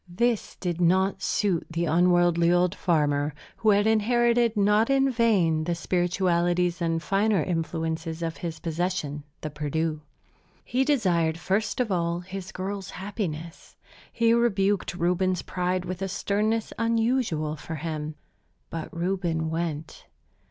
This did not suit the unworldly old farmer, who had inherited, not in vain, the spiritualities and finer influences of his possession, the Perdu. He desired, first of all, his girl's happiness. He rebuked Reuben's pride with a sternness unusual for him. But Reuben went.